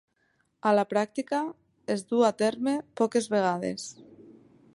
A la pràctica, es dur a terme poques vegades.